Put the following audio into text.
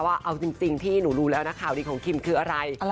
ว่าเอาจริงที่หนูรู้แล้วนะข่าวดีของคิมคืออะไร